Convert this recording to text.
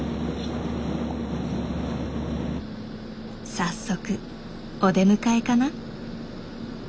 早速お出迎えかな？